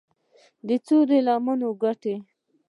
څو د لمرونو کټوري